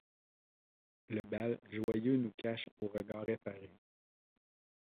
Le bal joyeux nous cache aux regards effarés